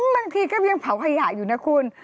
บางทีก็ยังเผาขยะอยู่นะคุณ